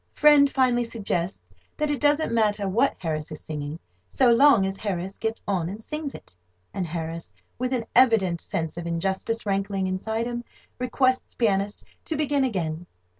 Friend finally suggests that it doesn't matter what Harris is singing so long as Harris gets on and sings it, and Harris, with an evident sense of injustice rankling inside him, requests pianist to begin again.